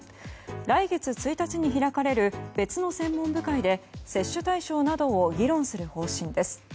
来月１日に開かれる別の専門部会で接種対象などを議論する方針です。